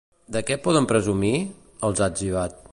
De què poden presumir?, els ha etzibat.